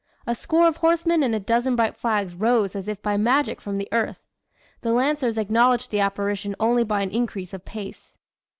A score of horsemen and a dozen bright flags rose as if by magic from the earth. The Lancers acknowledged the apparition only by an increase of pace."